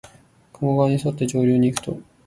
加茂川にそって上流にいくと、